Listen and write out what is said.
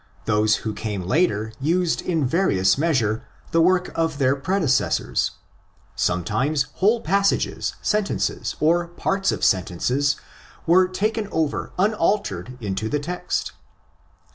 Those who came later used in various measure the work of their predecessors. Sometimes whole passages, sentences, or parts of sentences, were taken over unaltered into the text.